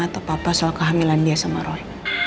atau papa soal kehamilan dia sama roy